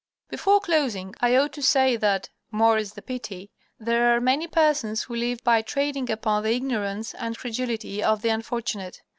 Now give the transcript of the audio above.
_ Before closing I ought to say that (more is the pity) there are many persons who live by trading upon the ignorance and credulity of the unfortunate.